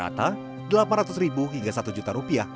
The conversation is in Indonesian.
yg tidak keterlarga tuai di dunia ini